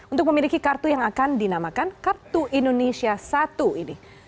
untuk memiliki kartu yang akan dinamakan kartu indonesia satu ini